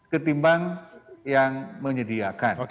ketimbang yang menyediakan